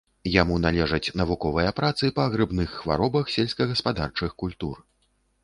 Яму належаць навуковыя працы па грыбных хваробах сельскагаспадарчых культур.